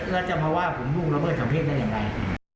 แล้วจะมาว่าผมล่วงละเมิดทางเพศได้ยังไง